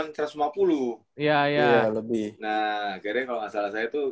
nah akhirnya kalau nggak salah saya tuh